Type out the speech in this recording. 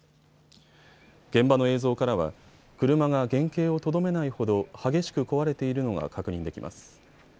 現場の映像からは車が原形をとどめないほど激しく壊れているのが確認できます。